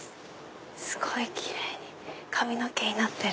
すごい奇麗に髪の毛になってる。